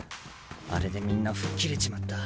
あれでみんな吹っ切れちまった。